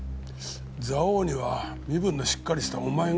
蔵王には身分のしっかりしたお前が行ってくれ。